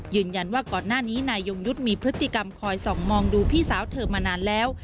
ยืนยันว่าก่อนหน้านี้นายยงยุทธ์มีพฤติกรรมคอยส่องมองดูพี่สาวเธอมานานแล้ว